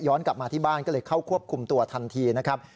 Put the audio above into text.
กลับมาที่บ้านก็เลยเข้าควบคุมตัวทันทีนะครับ